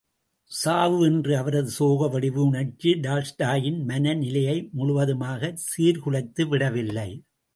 சாவு என்ற அவரது சோக வடிவ உணர்ச்சி டால்ஸ்டாயின் மன நிலையை முழுவதுமாகச் சீர்குலைத்துவிட வில்லை.